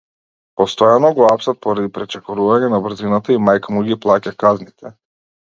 Постојано го апсат поради пречекорување на брзината и мајка му ги плаќа казните.